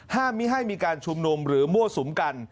ไม่ให้มีการชุมนุมหรือมั่วสุมกัน